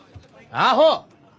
アホ！